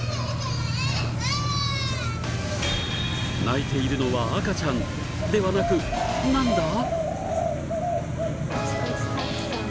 鳴いているのは赤ちゃんではなくなんだ？